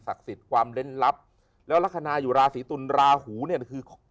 สิทธิ์ความเล่นลับแล้วลักษณะอยู่ราศีตุลราหูเนี่ยคือ